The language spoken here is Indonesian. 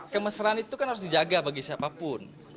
kemesraan itu kan harus dijaga bagi siapapun